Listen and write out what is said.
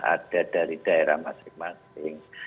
ada dari daerah masing masing